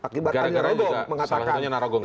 gara gara salah satunya narogo